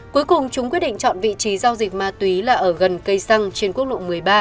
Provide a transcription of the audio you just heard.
cuối cùng chúng quyết định chọn vị trí giao dịch ma túy là ở gần cây xăng trên quốc lộ một mươi ba